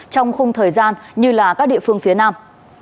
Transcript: trong khung thời gian như là các địa phương phía nam